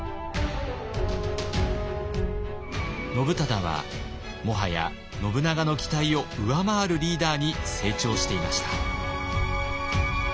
信忠はもはや信長の期待を上回るリーダーに成長していました。